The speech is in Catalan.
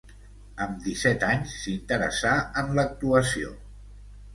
Amb disset anys s'interessà en l'actuació.